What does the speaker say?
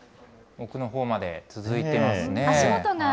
奥のほうまで続いてますね。